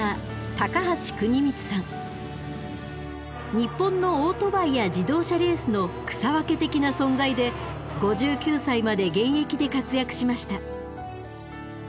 日本のオートバイや自動車レースの草分け的な存在で５９歳まで現役で活躍しました。